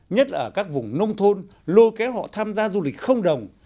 nhất là ở các vùng nông thôn lôi kéo họ tham gia du lịch không đồng